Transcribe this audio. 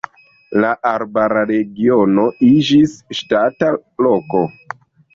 La arbara regiono iĝis ŝatata loko.